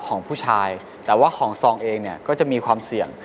ของผู้ชายแต่ว่าของซองเองเนี่ยก็จะมีความเสี่ยง